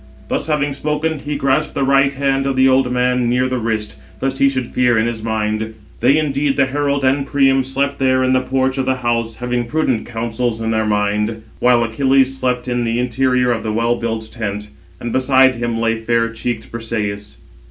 Thus having spoken, he grasped the right hand of the old man near the wrist, lest he should fear in his mind. They indeed, the herald and Priam, slept there in the porch of the house, having prudent counsels in their mind; while Achilles slept in the interior of the well built tent; and beside him lay fair cheeked Brisëis.